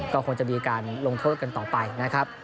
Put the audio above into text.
ก็คงจะมีการลงโทษกันต่อไปนะครับ